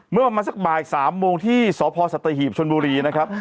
เมื่อมาสักบ่าย๓โมงที่สศตภิพธิ์ชนบุรีนะครับ